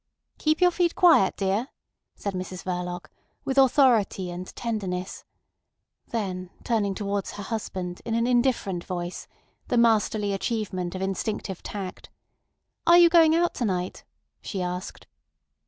"Keep your feet quiet, dear," said Mrs Verloc, with authority and tenderness; then turning towards her husband in an indifferent voice, the masterly achievement of instinctive tact: "Are you going out to night?" she asked.